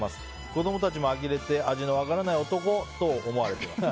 子供たちもあきれて味の分からない男と思われています。